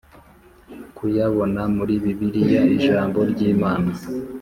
kuyabona muri bibiliya ijambo ryimana